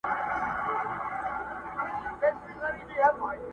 هغه ښکلې نجلۍ نسته مور منګی نه ورکوینه،